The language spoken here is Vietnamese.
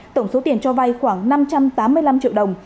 tổng số tiền cho vay khoảng năm trăm tám mươi năm triệu đồng